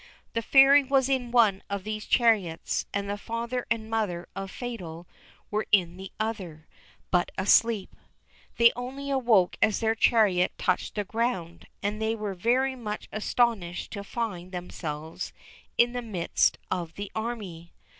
The Fairy was in one of these chariots, and the father and mother of Fatal were in the other, but asleep. They only awoke as their chariot touched the ground, and they were very much astonished to find themselves in the midst of the army.